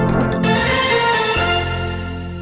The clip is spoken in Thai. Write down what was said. โปรดติดตามตอนต่อไป